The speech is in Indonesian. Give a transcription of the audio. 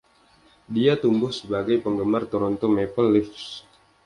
Dia tumbuh sebagai penggemar Toronto Maple Leafs.